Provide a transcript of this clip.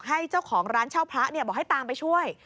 ให้เจ้าของร้านเช่าพระบอกให้ตามไปช่วย